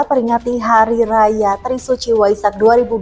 peringati hari raya trisuci waisak dua ribu dua puluh